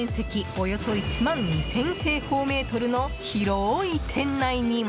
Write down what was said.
およそ１万２０００平方メートルの広い店内には